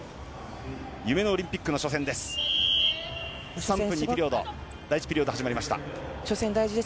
夢のオリンピックの初戦です。